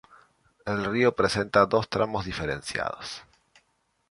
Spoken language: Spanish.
El río presenta dos tramos diferenciados.